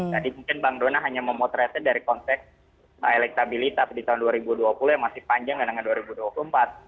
jadi mungkin bang dona hanya memotretnya dari konsep elektabilitas di tahun dua ribu dua puluh yang masih panjang dengan dua ribu dua puluh empat